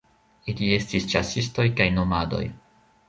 Ili estis ĉasistoj kaj nomadoj.